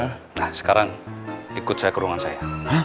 nah sekarang ikut saya ke ruangan saya